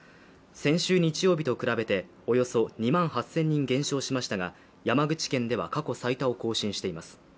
先週日曜日と比べておよそ２万８０００人減少しましたが山口県では過去最多を更新しています。